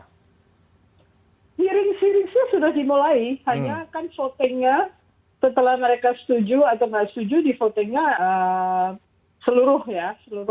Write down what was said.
hearing series nya sudah dimulai